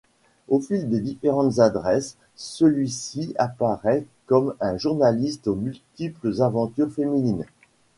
Au fil des différentes adresses, celui-ci apparait comme un journaliste aux multiples aventures féminines.